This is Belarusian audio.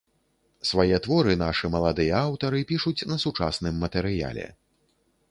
Свае творы нашы маладыя аўтары пішуць на сучасным матэрыяле.